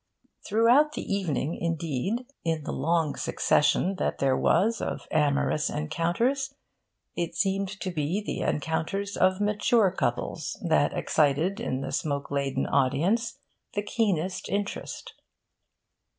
Throughout the evening, indeed, in the long succession that there was of amorous encounters, it seemed to be the encounters of mature couples that excited in the smoke laden audience the keenest interest.